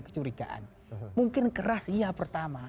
kecurigaan mungkin keras iya pertama